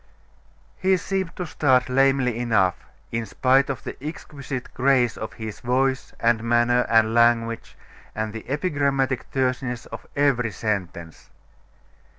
He seemed to start lamely enough, in spite of the exquisite grace of his voice, and manner, and language, and the epigrammatic terseness of every sentence.